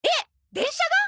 電車が？